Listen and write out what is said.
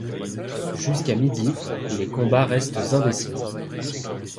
Jusqu'à midi, les combats restent indécis.